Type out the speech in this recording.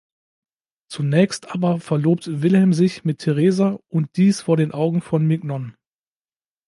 Zunächst aber verlobt Wilhelm sich mit Therese, und dies vor den Augen von Mignon.